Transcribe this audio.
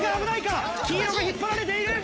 黄色が引っ張られている！